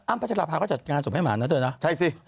อ้าวประชากรภาพเขาจัดงานศพให้หมานะเติร์นใช่สิ